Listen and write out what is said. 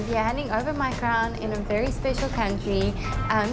ผมรู้ว่าคนที่มานี่เป็นความรู้สึกที่สุดที่สุด